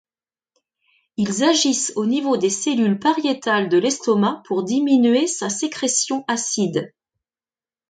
Ils agissent au niveau des cellules pariétales de l'estomac pour diminuer sa sécrétion acide.